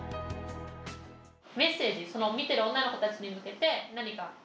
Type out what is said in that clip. メッセージ見てる女の子たちに向けて。